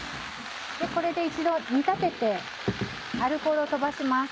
これで一度煮立ててアルコールを飛ばします。